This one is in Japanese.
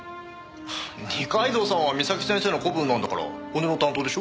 二階堂さんは岬先生の子分なんだから骨の担当でしょ。